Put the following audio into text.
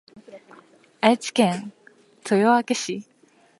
愛知県豊明市